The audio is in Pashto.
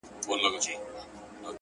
د خدای د نور نه جوړ غمی ي خو غمی نه يمه-